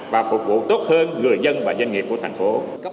và phục vụ tốt hơn người dân và doanh nghiệp của thành phố